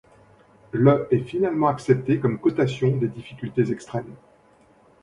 Le est finalement accepté comme cotation des difficultés extrêmes.